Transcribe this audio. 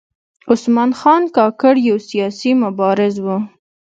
عثمان خان کاکړ یو سیاسي مبارز و .